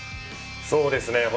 そうですね。